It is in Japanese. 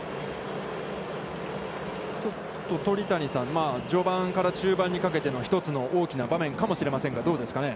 鳥谷さん、序盤から中盤にかけての１つの大きな場面かもしれませんが、どうですかね。